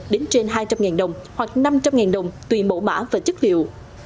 đến trên hai trăm linh đồng hoặc năm trăm linh đồng tùy mẫu mã và chất liệu